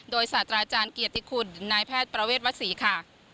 โดยศาสตราอาจารย์เกียรติคุณนายแพทย์ประเวทวศรีค่ะ